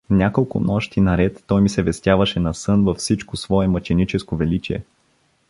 Няколко нощи наред той ми се вестяваше насън във всичко свое мъченическо величие.